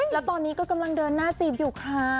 แล้วตอนนี้ก็กำลังเดินหน้าจีบอยู่ค่ะ